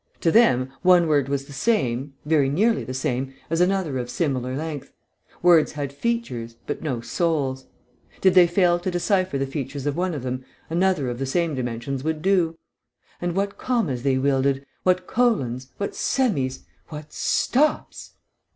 To them one word was the same, very nearly the same, as another of similar length; words had features, but no souls; did they fail to decipher the features of one of them, another of the same dimensions would do. And what commas they wielded, what colons, what semis, what stops!